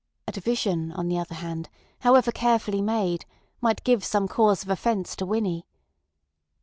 A division, on the other hand, however carefully made, might give some cause of offence to Winnie.